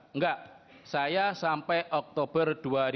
enggak saya sampai oktober dua ribu tujuh belas